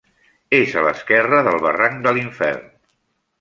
És a l'esquerra del barranc de l'Infern.